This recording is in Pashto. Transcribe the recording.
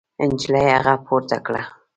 نجلۍ هغه پورته کړ.